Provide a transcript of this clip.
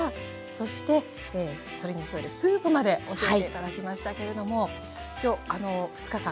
そしてそれに添えるスープまで教えて頂きましたけれどもきょう２日間